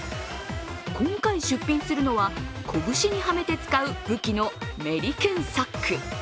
今回出品するのは、拳にはめて使う武器のメリケンサック。